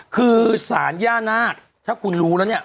คือสารย่านาคถ้าคุณรู้แล้วเนี่ย